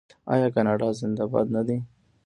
آیا کاناډا زنده باد نه دی؟